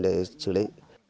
để xử lý